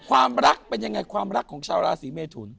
ความรักเป็นยังไงความรักของชาวราศีเมทุน